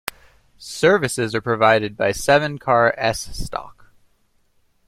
Services are provided by seven-car S Stock.